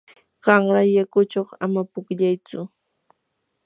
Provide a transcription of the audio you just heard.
qanra yakuchaw ama pukllaytsu.